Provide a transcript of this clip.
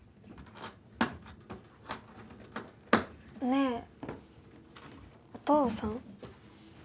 ねえお父さん。